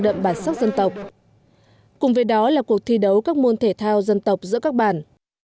đậm bản sắc dân tộc cùng với đó là cuộc thi đấu các môn thể thao dân tộc giữa các bản